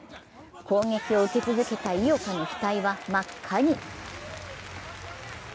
攻撃を受け続けた井岡の額は真っ赤に。